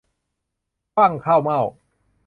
ขว้างข้าวเม่า